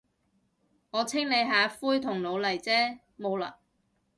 我清理下灰同老泥啫，冇喇。